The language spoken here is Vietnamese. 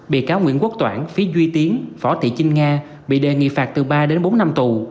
bị cáo nguyễn quốc toản phí duy tiến võ thị chinh nga bị đề nghị phạt từ ba đến bốn năm tù